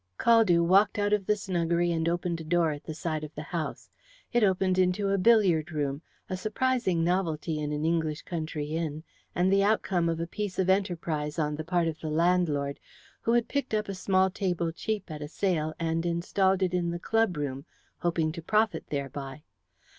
Caldew walked out of the snuggery and opened a door at the side of the house. It opened into a billiard room a surprising novelty in an English country inn, and the outcome of a piece of enterprise on the part of the landlord, who had picked up a small table cheap at a sale, and installed it in the clubroom, hoping to profit thereby.